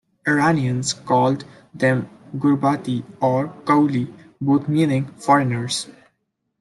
Iranians called them "gurbati" or "kouli", both meaning "foreigners".